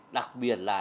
đặc biệt là